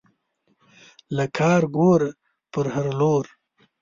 له کارکوړه پر هر لور